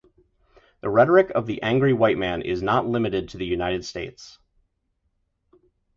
The rhetoric of the angry white man is not limited to the United States.